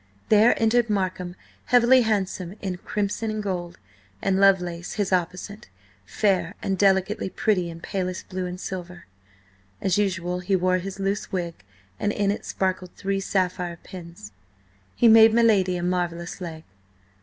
There entered Markham, heavily handsome in crimson and gold, and Lovelace, his opposite, fair and delicately pretty in palest blue and silver. As usual, he wore his loose wig, and in it sparkled three sapphire pins. He made my lady a marvellous leg.